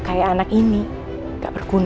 gak kayak anak ini gak berguna